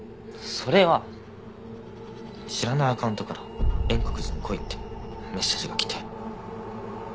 それは知らないアカウントから円国寺に来いってメッセージが来て。